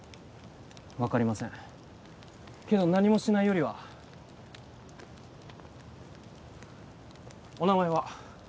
分かりませんけど何もしないよりはお名前は？